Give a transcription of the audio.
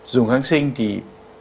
dùng kháng sinh thì